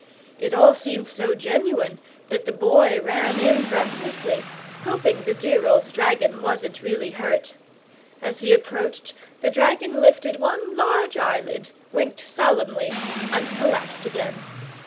It all seemed so genuine that the Boy ran in breathlessly, hoping the dear old dragon wasn't really hurt. As he approached, the dragon lifted one large eyelid, winked solemnly, and collapsed again.